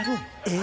え！